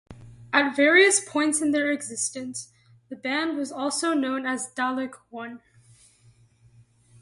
At various points in their existence, the band was also known as Dalek One.